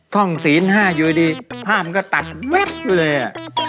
คล่องศีลห้าอยู่ดีภาพมันก็ตัดแว๊บด้วยเลยอ่ะ